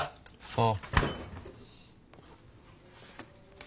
そう。